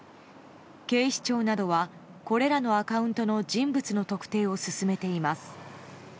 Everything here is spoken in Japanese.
警視庁などはこれらのアカウントの人物の特定を進めています。